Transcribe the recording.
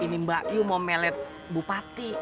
ini mbak yu mau mellet bupati